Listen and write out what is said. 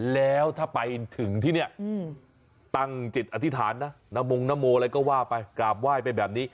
แล้วถ้าไปถึงที่เนี่ยตั้งจิตอธิษฐานนะนมงนโมอะไรก็ว่าไปกราบไหว้ไปแบบนี้